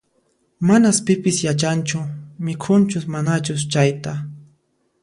Manas pipis yachanchu mikhunchus manachus chayta